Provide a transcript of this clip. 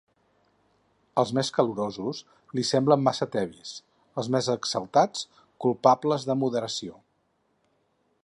Els més calorosos li semblen massa tebis; els més exaltats, culpables de moderació.